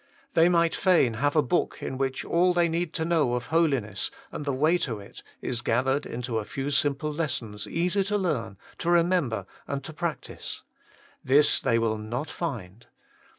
They might fain have a book in which all they need to know of Holiness and the way to it is gathered into a few simple lessons, easy to learn, to remember, and to practise. This they will not find.